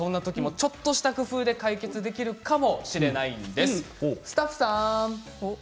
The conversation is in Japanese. ちょっとした工夫で解決できるかもしれません。